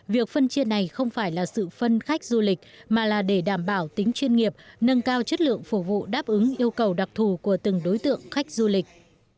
việc phân chia này không phải là sự phân khách du lịch mà là để đảm bảo tính chuyên nghiệp nâng cao chất lượng phục vụ đáp ứng yêu cầu đặc thù của từng đối tượng khách du lịch